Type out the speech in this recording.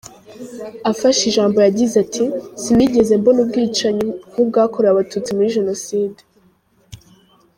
Afashe ijambo yagize ati “Sinigeze mbona ubwicanyi nk’ubwakorewe Abatutsi muri Jenoside.